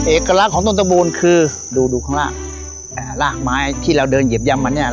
เอกลักษณ์ของต้นตระบูลคือดูดูข้างล่างลากไม้ที่เราเดินเหยียบยำมาเนี่ย